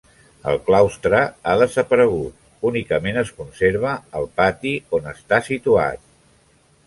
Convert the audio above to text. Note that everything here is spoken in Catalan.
El claustre ha desaparegut, únicament es conserva el pati on està situat.